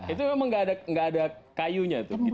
itu memang tidak ada kayunya